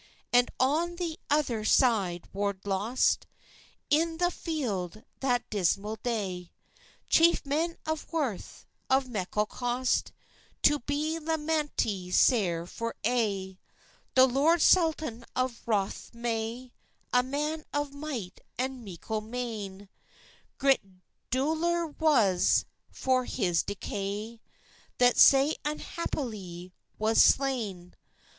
And on the uther syde war lost, Into the feild that dismal day, Chief men of worth, of mekle cost, To be lamentit sair for ay. The Lord Saltoun of Rothemay, A man of micht and mekle main; Grit dolour was for his decay, That sae unhappylie was slain.